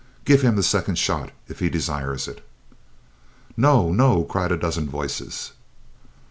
Give him the second shot, if he desires it." "No! No!" cried a dozen voices.